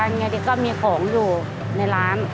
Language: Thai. เนี้ยดีก็มีของอยู่ในร้าน